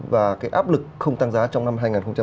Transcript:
và cái áp lực không tăng giá trong năm hai nghìn một mươi tám